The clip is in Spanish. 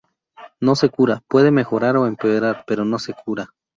No se cura, puede mejorar o empeorar pero no cura.